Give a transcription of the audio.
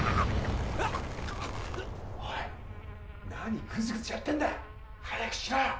おい何グズグズやってんだ早くしろよ！